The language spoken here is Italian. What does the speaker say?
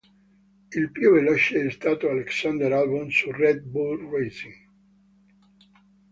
Il più veloce è stato Alexander Albon su Red Bull Racing.